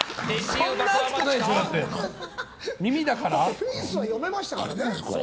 フェイスは読めましたからね。